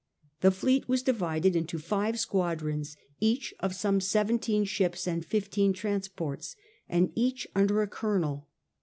The fleet was divided into five squadrons, each of some seventeen ships and fifteen transports, and each under a colonel.